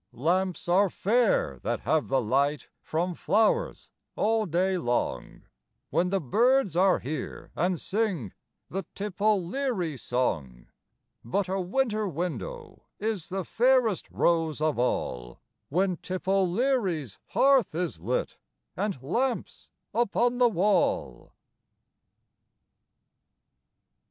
Lamps are fair that have the light from flowers all day long, When the birds are here and sing the Tip O'Leary song, But a winter window is the fairest rose of all, When Tip O'Leary's hearth is lit and lamps upon the wall.